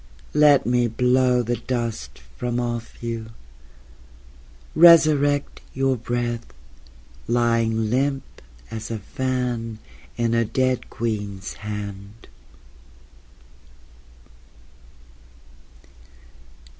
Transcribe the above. Let me blow the dust from off you... Resurrect your breath Lying limp as a fan In a dead queen's hand.